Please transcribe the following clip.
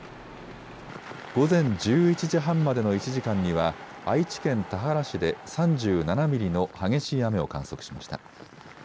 午前１１時半までの１時間には愛知県田原市で３７ミリの激しい雨を観測しました。